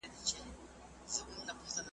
او یا منفی نظر ورکړي .